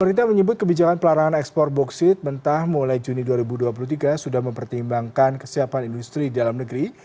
pemerintah menyebut kebijakan pelarangan ekspor boksit mentah mulai juni dua ribu dua puluh tiga sudah mempertimbangkan kesiapan industri dalam negeri